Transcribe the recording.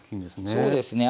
そうですね